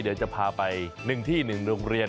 เดี๋ยวจะพาไป๑ที่๑โรงเรียน